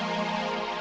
tidak saya sudah selesai